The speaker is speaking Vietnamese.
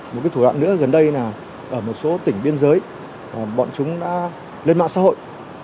một thủ đoạn nữa gần đây là ở một số tỉnh biên giới bọn chúng đã lên mạng xã hội